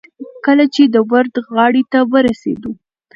کله چې د ورد غاړې ته ورسېدو.